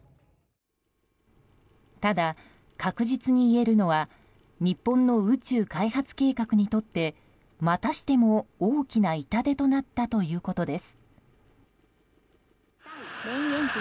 ただ確実に言えるのは日本の宇宙開発計画にとってまたしても大きな痛手となったということです。